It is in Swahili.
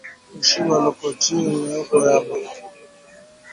Mushibalokotiye mioko yabo